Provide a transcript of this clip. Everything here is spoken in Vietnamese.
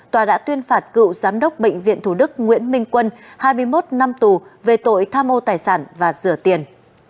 tòa đã tuyên phạt cựu giám đốc bệnh viện thủ đức nguyễn minh quân hai mươi một năm tù về tội tham mô tài sản và rửa tiền